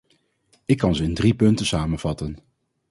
Ik kan ze in drie punten samenvatten.